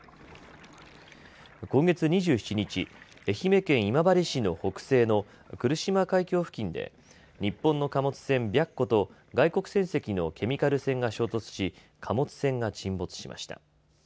今月２７日、愛媛県今治市の北西の来島海峡付近で日本の貨物船、白虎と外国船籍のケミカル船が衝突し貨物船が沈没しました。